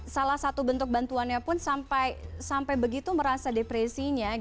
salah satu bentuk bantuannya pun sampai begitu merasa depresinya